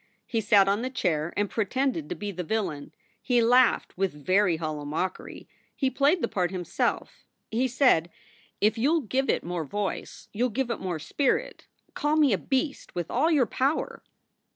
He sat on the chair and pretended to be the villain. He laughed with very hollow mockery. He played the part himself. He said: "It you ll give it more voice you ll give it more spirit. Call me a beast with all your power!"